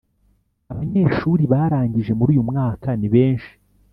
abanyeshuri barangije muri uyu mwaka ni benshi